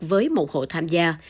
với một hộ tham gia